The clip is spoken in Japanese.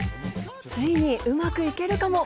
ついにうまくいけるかも。